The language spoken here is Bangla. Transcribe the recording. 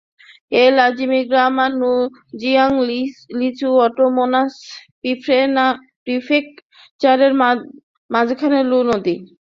এই লাজিমি গ্রাম আর নুজিয়াং লিসু অটোনোমাস প্রিফেকচারের মাঝখানে নু নদী।